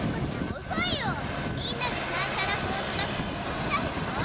みんなでシャンシャラ草をさがすってきめたでしょ。